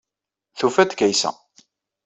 Tufa-d Kaysa.